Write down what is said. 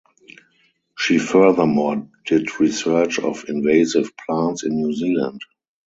She furthermore did research of invasive plants in New Zealand.